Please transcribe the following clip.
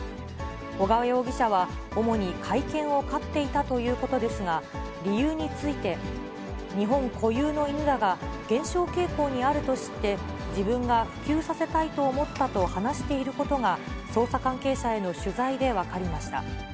尾川容疑者は、主に甲斐犬を飼っていたということですが、理由について、日本国有の犬だが、減少傾向にあると知って、自分が普及させたいと思ったと話していることが、捜査関係者への取材で分かりました。